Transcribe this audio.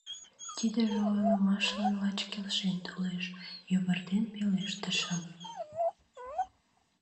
— Тидыже ойлымашлан лач келшен толеш, — йывыртен пелештышым.